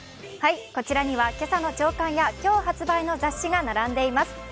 こちらには今朝の朝刊や今日発売の雑誌が並んでいます。